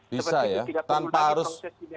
bisa ya tanpa harus